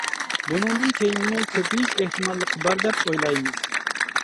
بۇنىڭدىن كېيىنمۇ كۆپىيىش ئېھتىماللىقى بار دەپ ئويلايمىز.